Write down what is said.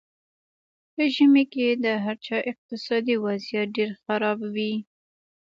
په ژمي کې د هر چا اقتصادي وضیعت ډېر خراب وي.